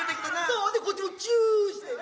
ほんでこっちもチューしてな。